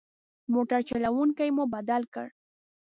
موټر چلوونکی مو بدل کړ.